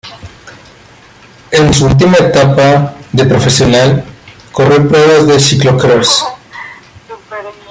En su última etapa de profesional corrió pruebas de ciclocross.